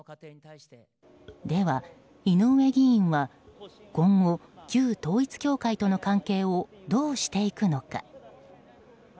では、井上議員は今後、旧統一教会の関係をどうしていくのか。